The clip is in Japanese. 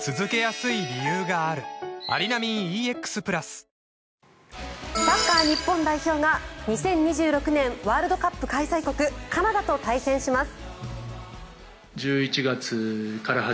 便質改善でラクに出すサッカー日本代表が２０２６年ワールドカップ開催国カナダと対戦します。